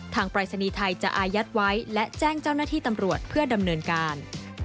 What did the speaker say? ปรายศนีย์ไทยจะอายัดไว้และแจ้งเจ้าหน้าที่ตำรวจเพื่อดำเนินการ